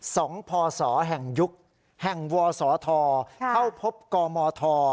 ส่องพ่อสอแห่งยุคแห่งวอสอทรเข้าพบกรมทร